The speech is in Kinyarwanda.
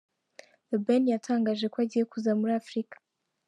The Ben yatangaje ko agiye kuza muri Afurika.